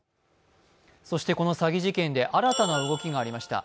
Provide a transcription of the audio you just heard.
この詐欺事件で新たな動きがありました。